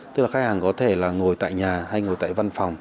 tức là khách hàng có thể là ngồi tại nhà hay ngồi tại văn phòng